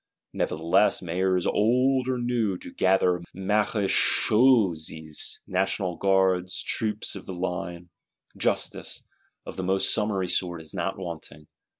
Nevertheless, Mayors old or new do gather Marechaussées, National Guards, Troops of the line; justice, of the most summary sort, is not wanting.